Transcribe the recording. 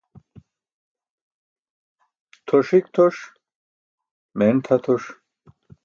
Tʰoṣ hik tʰoṣ, meen tʰa tʰoṣ.